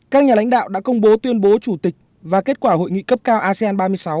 các nhà lãnh đạo đã công bố tuyên bố chủ tịch và kết quả hội nghị cấp cao asean ba mươi sáu